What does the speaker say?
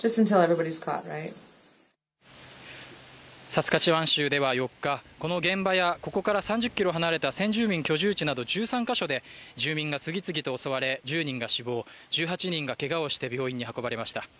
サスカチワン州では４日、この現場や、ここから３０ｋｍ離れた先住民居住地など１３か所で住民が次々と襲われ、１０人が死亡、１８人がけがをして病院に運ばれました。